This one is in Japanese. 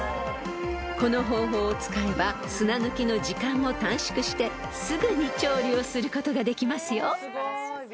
［この方法を使えば砂抜きの時間を短縮してすぐに調理をすることができますよ］